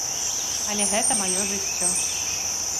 Але гэта маё жыццё.